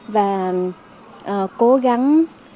và cố gắng